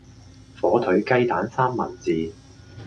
火腿雞蛋三文治